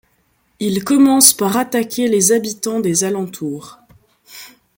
Ils commencent par attaquer les habitants des alentours.